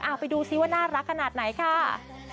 เอาไปดูซิว่าน่ารักขนาดไหนค่ะ